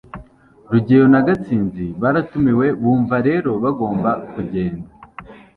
rugeyo na gashinzi baratumiwe, bumva rero bagomba kugenda